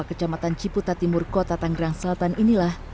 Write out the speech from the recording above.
kecamatan ciputa timur kota tanggerang selatan inilah